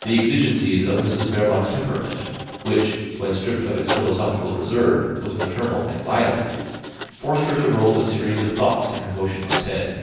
The exigencies of Mrs Verloc's temperament, which, when stripped of its philosophical reserve, was maternal and violent, forced her to roll a series of thoughts in her motionless head.